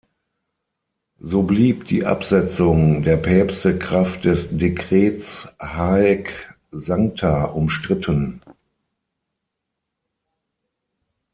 So blieb die Absetzung der Päpste kraft des Dekrets "Haec sancta" umstritten.